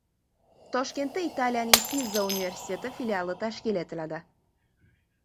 Toshkentda Italiyaning Piza universiteti filiali tashkil etiladi